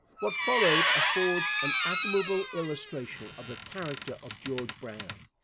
What followed affords an admirable illustration of the character of George Brown.